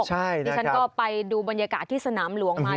ใช่นะครับที่ฉันก็ไปดูบรรยากาศที่สนามหลวงมา